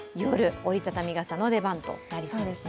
折りたたみ傘の出番となりそうですね。